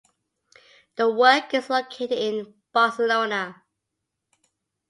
The work is located in Barcelona.